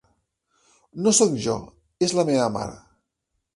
No sóc jo, és la meva mare.